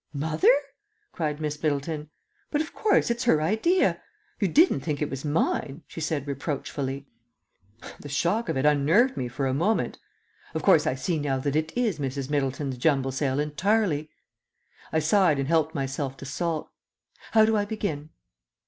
"Mother?" cried Miss Middleton. "But, of course, it's her idea. You didn't think it was mine?" she said reproachfully. "The shock of it unnerved me for a moment. Of course, I see now that it is Mrs. Middleton's jumble sale entirely." I sighed and helped myself to salt. "How do I begin?"